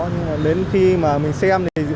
nhưng mà đến khi mà mình xem